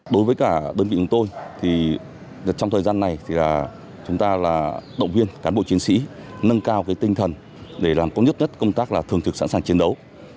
đối với cả đơn vị của tôi trong thời gian này chúng ta động viên cán bộ chiến sĩ nâng cao tinh thần để làm có nhất công tác thường thực sẵn sàng chiến đấu